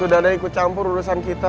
sudah ada ikut campur urusan kita